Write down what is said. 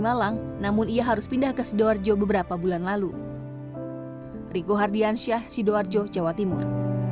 malang namun ia harus pindah ke sidoarjo beberapa bulan lalu riko hardiansyah sidoarjo jawa timur